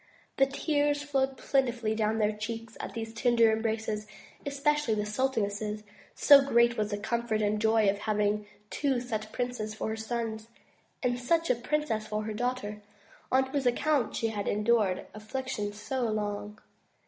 The tears flowed 78 THE TREASURE CHEST plentifully down their cheeks at these tender embraces, espe cially the sultaness's, so great was the comfort and joy of having two such princes for her sons, and such a princess for her daughter, on whose account she had endured affliction so long.